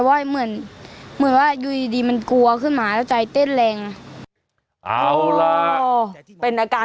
เป็นอาการของน้องเขา